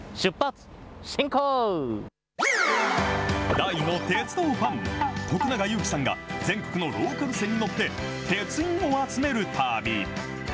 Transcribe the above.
大の鉄道ファン、徳永ゆうきさんが全国のローカル線に乗って、鉄印を集める旅。